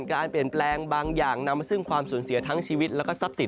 การเปลี่ยนแปลงบางอย่างนำมาซึ่งความสูญเสียทั้งชีวิตแล้วก็ทรัพย์สิน